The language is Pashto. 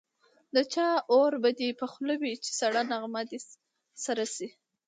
د چا اور به دي په خوله وي چي سړه نغمه دي سره سي